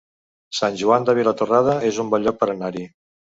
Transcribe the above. Sant Joan de Vilatorrada es un bon lloc per anar-hi